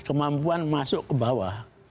kemampuan masuk ke bawah